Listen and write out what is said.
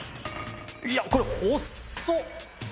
いやこれほっそ！